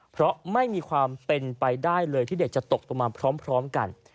เพราะไม่มีความเป็นไปได้เลยที่เด็กจะตกลงมาพร้อมกัน